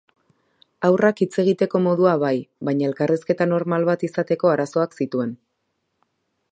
Haurrak hitz egiteko modua bai, baina elkarrizketa normal bat izateko arazoak zituen.